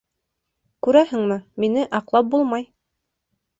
Күрәһеңме, мине аҡлап булмай.